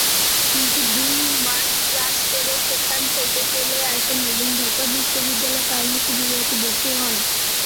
কিন্তু দুই মাস ক্লাস করে সেখান থেকে চলে আসেন এবং ঢাকা বিশ্ববিদ্যালয়ে ফার্মেসি বিভাগে ভর্তি হন।